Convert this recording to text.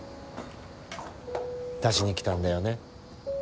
出しに来たんだよね。